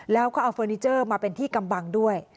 แล้วก็เอาเฟอร์นิเจอร์มาเป็นที่กำบังด้วย